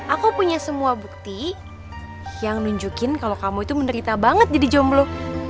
aku punya semua bukti yang nunjukin kalau kamu itu menderita banget jadi jomblo